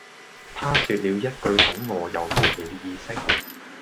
她說了一句很餓又沒了意識